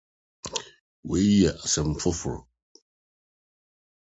Yei yɛ nsɛmfoo